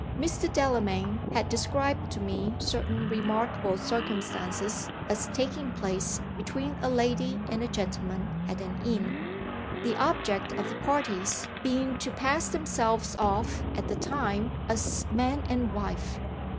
Mr. Delamayn had described to me certain remarkable circumstances as taking place between a lady and a gentleman at an inn: the object of the parties being to pass themselves off at the time as man and wife.